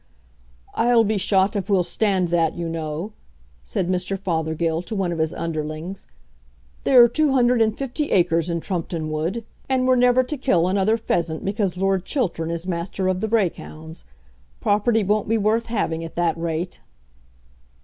"I'll be shot if we'll stand that, you know," said Mr. Fothergill to one of his underlings. "There are two hundred and fifty acres in Trumpeton Wood, and we're never to kill another pheasant because Lord Chiltern is Master of the Brake Hounds. Property won't be worth having at that rate."